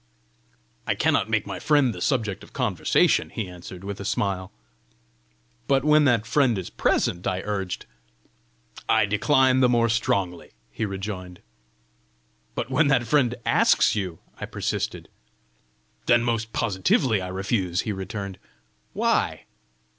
"I cannot make my friend the subject of conversation," he answered, with a smile. "But when that friend is present!" I urged. "I decline the more strongly," he rejoined. "But when that friend asks you!" I persisted. "Then most positively I refuse," he returned. "Why?"